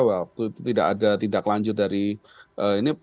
waktu itu tidak ada tindak lanjut dari ini